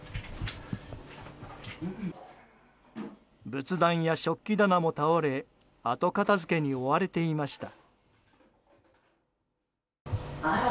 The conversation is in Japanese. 仏壇や食器棚も倒れ後片付けに追われていました。